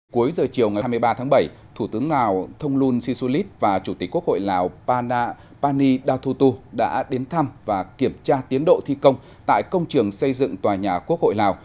cuối giờ chiều ngày hai mươi ba tháng bảy thủ tướng lào thông luân si su lít và chủ tịch quốc hội lào pani datutu đã đến thăm và kiểm tra tiến độ thi công tại công trường xây dựng tòa nhà quốc hội lào